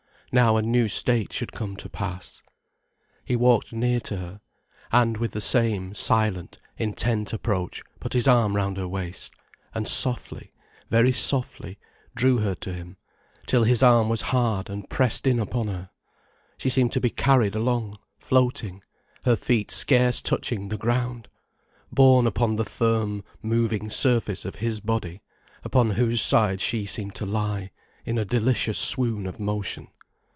Now a new state should come to pass. He walked near to her, and with the same, silent, intent approach put his arm round her waist, and softly, very softly, drew her to him, till his arm was hard and pressed in upon her; she seemed to be carried along, floating, her feet scarce touching the ground, borne upon the firm, moving surface of his body, upon whose side she seemed to lie, in a delicious swoon of motion.